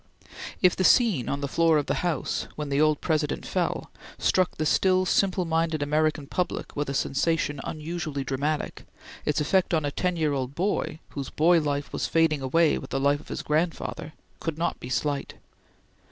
If the scene on the floor of the House, when the old President fell, struck the still simple minded American public with a sensation unusually dramatic, its effect on a ten year old boy, whose boy life was fading away with the life of his grandfather, could not be slight.